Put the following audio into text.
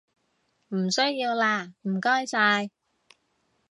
唔需要喇唔該晒